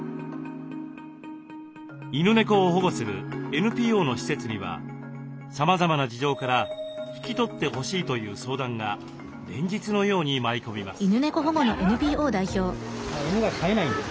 犬猫を保護するＮＰＯの施設にはさまざまな事情から引き取ってほしいという相談が連日のように舞い込みます。